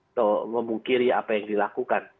atau memungkiri apa yang dilakukan